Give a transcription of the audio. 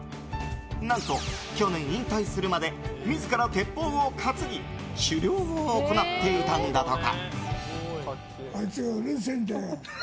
何と、去年引退するまで自ら鉄砲を担ぎ狩猟を行っていたんだとか。